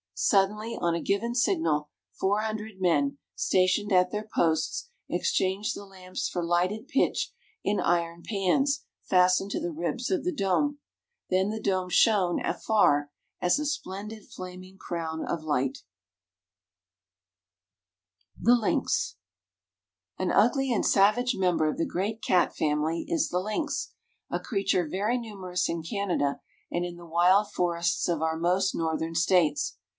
Suddenly, on a given signal, four hundred men, stationed at their posts, exchanged the lamps for lighted pitch in iron pans fastened to the ribs of the dome. Then the dome shone afar as a splendid flaming crown of light. [Illustration: TIRED OUT. DRAWN BY A. B. FROST.] THE LYNX. An ugly and savage member of the great cat family is the lynx, a creature very numerous in Canada and in the wild forests of our most northern States.